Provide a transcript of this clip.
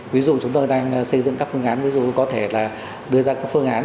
ví dụ chúng tôi đang xây dựng các phương án ví dụ có thể là đưa đến các khu vực tỉnh miền trung